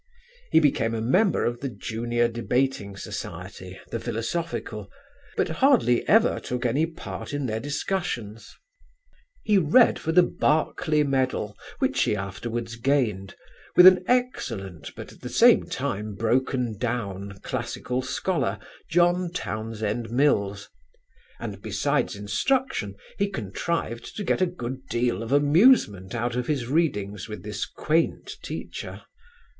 He became a member of the junior debating society, the Philosophical, but hardly ever took any part in their discussions. [Illustration: Dr. Sir William Wilde] "He read for the Berkeley medal (which he afterwards gained) with an excellent, but at the same time broken down, classical scholar, John Townsend Mills, and, besides instruction, he contrived to get a good deal of amusement out of his readings with his quaint teacher.